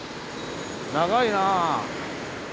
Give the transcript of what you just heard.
長いな。